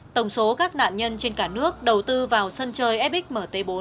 tổng số các nạn nhân trên cả nước đầu tư vào sân chơi fxxmt bốn